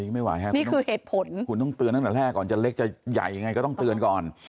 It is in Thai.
ไม่ไหวครับคุณต้องเตือนตั้งแต่แรกก่อนจะเล็กจะใหญ่อย่างไรก็ต้องเตือนก่อน